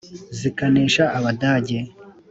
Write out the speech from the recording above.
Zikanesha Abadage